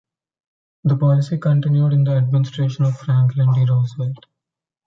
The Policy continued into the administration of Franklin D. Roosevelt.